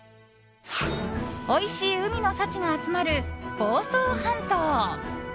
おいしい海の幸が集まる房総半島。